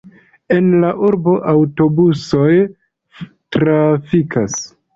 En la urbo aŭtobusoj trafikas.